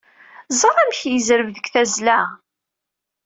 Ẓer amek yezreb deg tazzla!